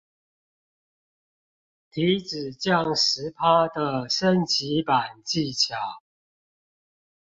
體脂降十趴的升級版技巧